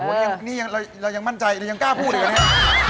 โอ้โฮนี่เรายังมั่นใจเรายังกล้าพูดอยู่กัน